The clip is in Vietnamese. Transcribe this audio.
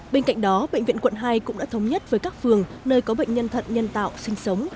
bên cạnh đó bệnh viện quận hai cũng đã thống nhất với các phường nơi có bệnh nhân thận nhân tạo sinh sống